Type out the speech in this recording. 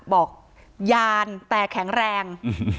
ยานแต่แข็งแรง